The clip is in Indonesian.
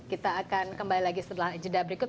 kita akan kembali lagi setelah jeda berikut